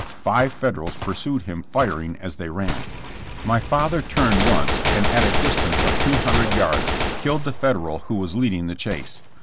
Five Federals pursued him firing as they ran. My father turned once and at a distance of two hundred yards killed the Federal who was leading the chase.